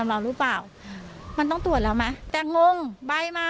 เราหรือเปล่ามันต้องตรวจแล้วไหมแต่งงใบมา